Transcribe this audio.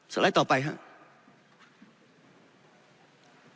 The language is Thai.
ไลด์ต่อไปครับ